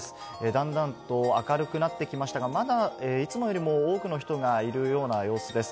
だんだんと明るくなってきましたが、まだ、いつもよりも多くの人がいるような様子です。